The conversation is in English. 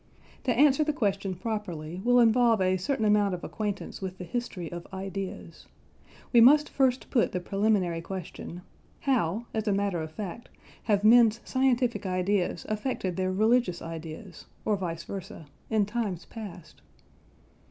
To answer the question properly will involve a certain amount of acquaintance with the history of ideas. We must first put the preliminary question: How, as a matter of fact, have men's scientific ideas affected their religious ideas (or vice versa) in times past?